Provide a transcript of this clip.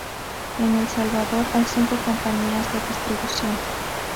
En El Salvador hay cinco compañías de distribución.